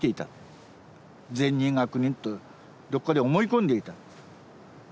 善人悪人とどっかで思い込んでいた。